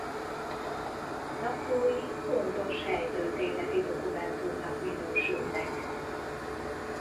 Naplói fontos helytörténeti dokumentumnak minősülnek.